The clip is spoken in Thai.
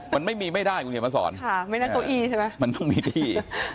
มันไม่มีไม่ได้คุณเขียนมาสอนมันต้องมีที่